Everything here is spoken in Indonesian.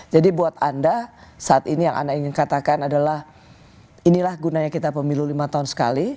jadi buat anda saat ini yang anda ingin katakan adalah inilah gunanya kita pemilu lima tahun sekali